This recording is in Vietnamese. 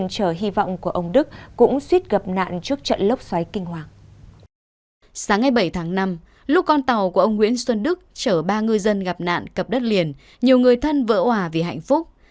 sáng ngày bảy tháng năm lúc con tàu của ông nguyễn xuân đức chở ba ngư dân gặp nạn cập đất liền nhiều người thân vỡ hòa vì hạnh phúc